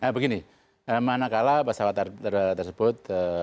begini mana kalah pesawat tersebut